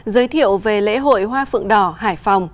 giới thiệu về lễ hội hoa phượng đỏ hải phòng